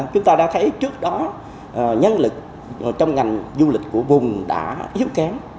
chúng ta đã thấy trước đó nhân lực trong ngành du lịch của vùng đã yếu kém